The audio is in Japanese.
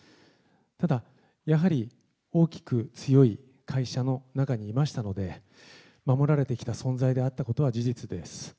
ただ、やはり大きく強い会社の中にいましたので、守られてきた存在であったことは事実です。